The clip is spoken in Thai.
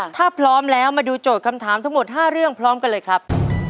ถ้าพร้อมแล้วมาดูโจทย์คำถามทั้งหมด๕เรื่องพร้อมกันเลยครับ